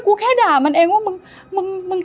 แค่ด่ามันเองว่ามึง